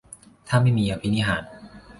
ถ้าไม่มีอภินิหาร